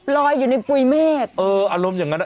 ลอยอยู่ในปุ๋ยเมฆเอออารมณ์อย่างนั้นอ่ะ